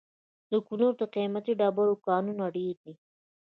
د کونړ د قیمتي ډبرو کانونه ډیر دي.